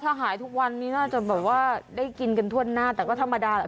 ถ้าหายทุกวันนี้น่าจะแบบว่าได้กินกันทั่วหน้าแต่ก็ธรรมดาแหละ